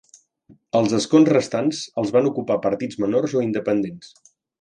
Els escons restants els van ocupar partits menors o independents.